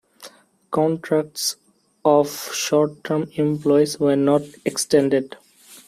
Contracts of short-term employees were not extended.